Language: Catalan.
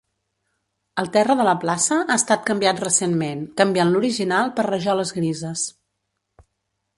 El terra de la plaça ha estat canviat recentment, canviant l'original per rajoles grises.